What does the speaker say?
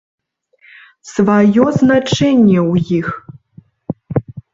Сваё значэнне ў іх.